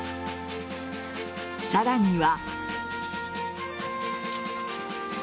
さらには。